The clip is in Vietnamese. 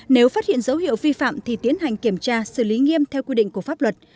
nếu phát hiện dấu hiệu vi phạm thì tiến hành kiểm tra xử lý nghiêm theo quy định của pháp luật